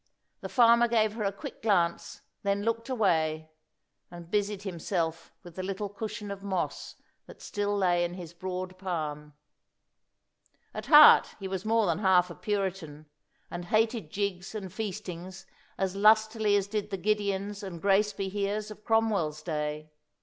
The farmer gave her a quick glance, then looked away, and busied himself with the little cushion of moss that still lay in his broad palm. At heart he was more than half a Puritan, and hated jigs and feastings as lustily as did the Gideons and Grace be heres of Cromwell's day.